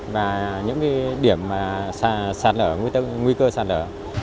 và những điểm sạt lở